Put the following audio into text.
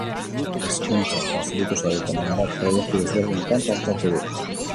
Hezkuntza eta zerikusia duten hainbat proiektu ezberdinetan parte hartu du.